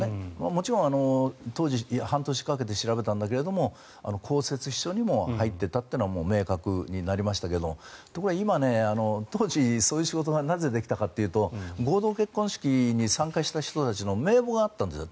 もちろん当時、半年かけて調べたんだけど公設秘書にも入っていたというのは明確になりましたがところが今当時、そういう仕事がなぜできたかというと合同結婚式に参加した人たちの名簿があったんですよ。